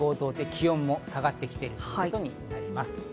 気温も下がってきているということになります。